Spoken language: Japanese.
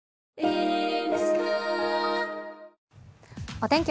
お天気